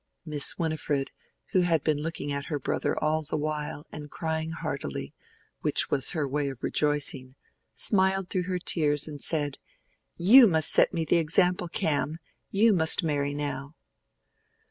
Miss Winifred, who had been looking at her brother all the while and crying heartily, which was her way of rejoicing, smiled through her tears and said, "You must set me the example, Cam: you must marry now."